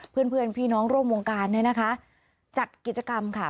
เพื่อนพี่น้องร่วมวงการนะคะจัดกิจกรรมค่ะ